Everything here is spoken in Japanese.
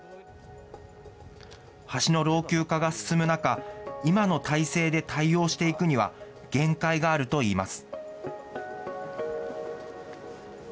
橋の老朽化が進む中、今の態勢で対応していくには限界があるといいます。